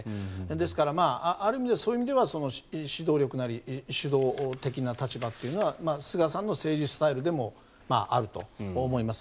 ですから、ある意味で指導力なり主導的な立場というのは菅さんの政治スタイルでもあると思います。